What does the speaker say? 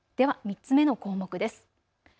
では３つ目の項目です。